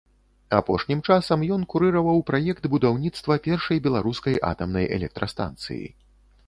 Апошнім часам ён курыраваў праект будаўніцтва першай беларускай атамнай электрастанцыі.